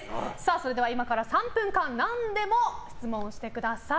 それでは今から３分間何でも質問してください。